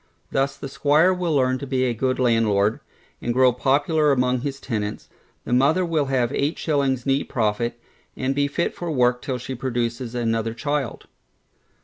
Thus the squire will learn to be a good landlord, and grow popular among his tenants, the mother will have eight shillings neat profit, and be fit for work till she produces another child.